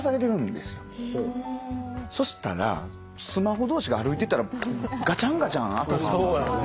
そしたらスマホ同士が歩いてたらガチャンガチャン当たる。